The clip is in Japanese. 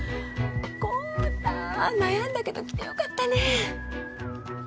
孝多悩んだけど来てよかったね